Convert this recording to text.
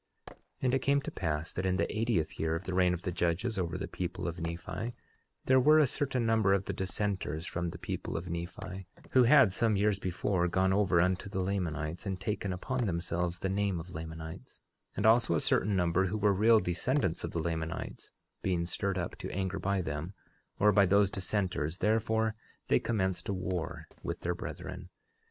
11:24 And it came to pass that in the eightieth year of the reign of the judges over the people of Nephi, there were a certain number of the dissenters from the people of Nephi, who had some years before gone over unto the Lamanites, and taken upon themselves the name of Lamanites, and also a certain number who were real descendants of the Lamanites, being stirred up to anger by them, or by those dissenters, therefore they commenced a war with their brethren.